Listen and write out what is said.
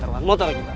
taruhan motor kita